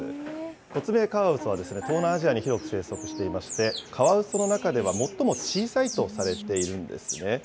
コツメカワウソは、東南アジアに広く生息していまして、カワウソの中では最も小さいとされているんですね。